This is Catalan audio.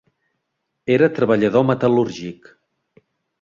Era treballador metal·lúrgic.